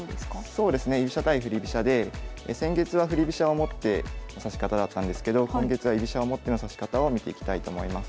そうですね居飛車対振り飛車で先月は振り飛車を持っての指し方だったんですけど今月は居飛車を持っての指し方を見ていきたいと思います。